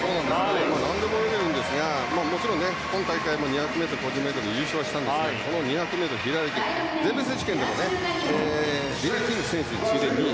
何でも泳げるんですがもちろん、今大会も２００ｍ個人メドレーで優勝したんですが２００ｍ平泳ぎ、全米選手権でもリリー・キング選手に次いで２位。